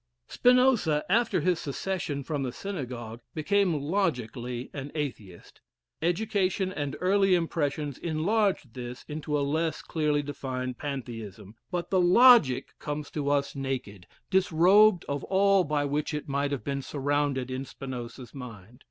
Spinoza, after his secession from his synagogue, became logically an Atheist; education and early impressions enlarged this into a less clearly defined Pantheism; but the logic comes to us naked, disrobed of all by which it might have been surrounded in Spinoza's mind.